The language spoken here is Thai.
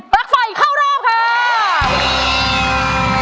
ลั๊กไฟเข้ารอบค่ะ